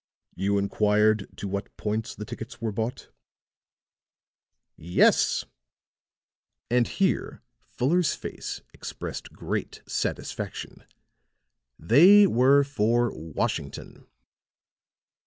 "You inquired to what points the tickets were bought?" "Yes," and here Fuller's face expressed great satisfaction. "They were for Washington."